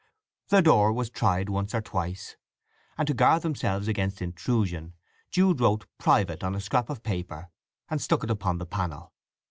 Their door was tried once or twice, and to guard themselves against intrusion Jude wrote "Private" on a scrap of paper, and stuck it upon the panel.